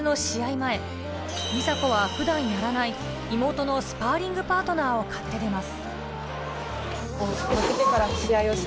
前、梨紗子は普段やらない妹のスパーリングパートナーを買って出ます。